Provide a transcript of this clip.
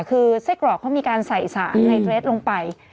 คือไส้กรอกเขามีการใส่สารไนเตรสลงไป